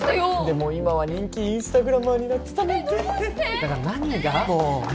でも今は人気インスタグラマーになってたなんてえっどうして？